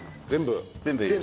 全部？